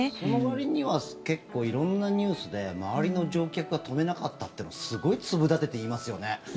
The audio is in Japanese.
そのわりには結構、色んなニュースで周りの乗客は止めなかったってのすごい粒立てて言いますよね。